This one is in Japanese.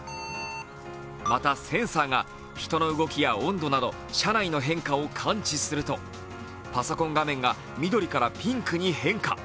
また、センサーが人の動きや温度など車内の動きを感知するとパソコン画面が緑からピンクに変化。